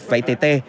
vậy tê tê